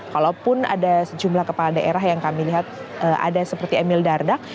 kalaupun ada sejumlah kepala daerah yang kami lihat ada seperti emil dardak